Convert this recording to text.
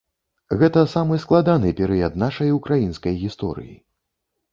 Гэта самы складаны перыяд нашай украінскай гісторыі.